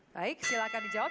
baik silahkan dijawab